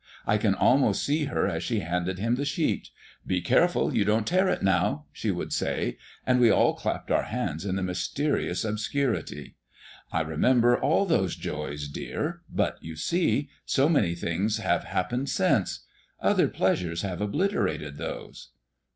I can almost see her as she handed him the sheet. 'Be careful you don't tear it, now,' she would say; and we all clapped our hands in the mysterious obscurity. I remember all those joys, dear; but, you see, so many things have happened since. Other pleasures have obliterated those."